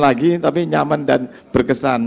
lagi tapi nyaman dan berkesan